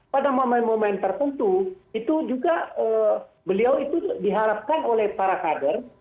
pada momen momen tertentu itu juga beliau itu diharapkan oleh para kader